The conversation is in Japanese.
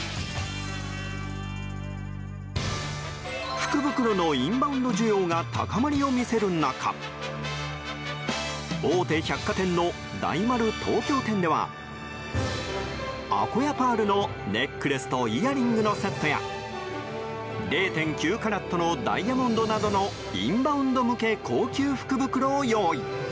福袋のインバウンド需要が高まりを見せる中大手百貨店の大丸東京店ではアコヤパールのネックレスとイヤリングのセットや０．９カラットのダイヤモンドなどのインバウンド向け高級福袋を用意。